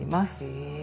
へえ。